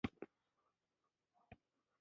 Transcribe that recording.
کوتره ژر محبت زده کوي.